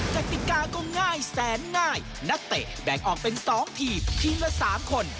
กติกาก็ง่ายแสนง่ายนักเตะแบ่งออกเป็น๒ทีมทีมละ๓คน